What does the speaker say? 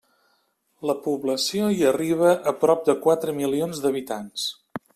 La població hi arriba a prop de quatre milions d'habitants.